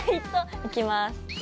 いきます。